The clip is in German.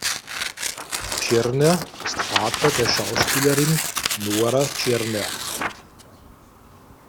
Tschirner ist Vater der Schauspielerin Nora Tschirner.